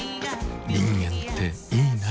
人間っていいナ。